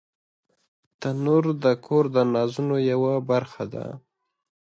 تنور د کور د نازونو یوه برخه ده